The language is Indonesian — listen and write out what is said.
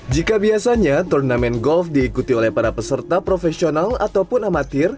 jika biasanya turnamen golf diikuti oleh para peserta profesional ataupun amatir